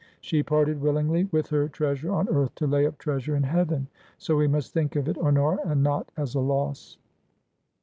She parted willingly with her treasure on earth to lay up treasure in Heaven: — ^so we must think of it, Honora, and not as a loss.